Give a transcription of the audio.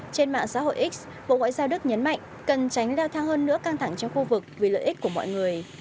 trên mạng xã hội x bộ ngoại giao đức nhấn mạnh cần tránh leo thang hơn nữa căng thẳng trong khu vực vì lợi ích của mọi người